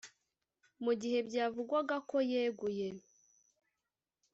Mu gihe byavugwaga ko yeguye